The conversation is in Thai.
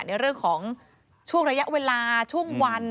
ในเรื่องของช่วงระยะเวลาช่วงวัน